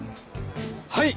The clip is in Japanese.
はい！